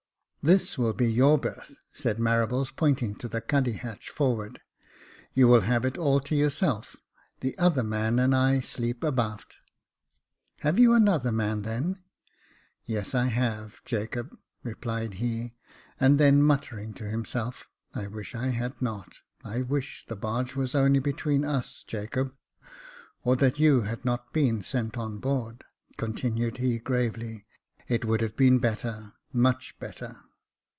" This will be your berth," said Marables, pointing to the cuddy hatch forward ;*' you will have it all to your self. The other man and I sleep abaft." Have you another man, then ?"" Yes, I have, Jacob," replied he ; and then muttering to himself, " I wish I had not — I wish the barge was only between us, Jacob, or that you had not been sent on board," continued he gravely. *' It would have been better — much better."